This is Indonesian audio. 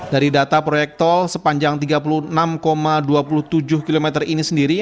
dari data proyek tol sepanjang tiga puluh enam dua puluh tujuh km ini sendiri